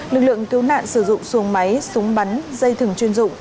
lực lượng cứu nạn sử dụng xuồng máy súng bắn dây thừng chuyên dụng